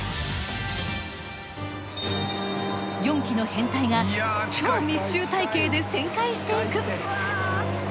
４機の編隊が超密集隊形で旋回していく。